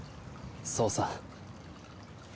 そうさ。